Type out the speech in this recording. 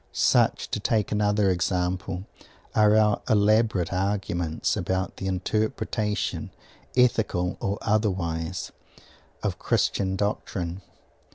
Such, to take another example, are our elaborate arguments about the interpretation, ethical or otherwise, of Christian Doctrine.